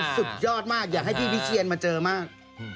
สุดยอดมากอยากให้พี่วิเชียนมาเจอมาก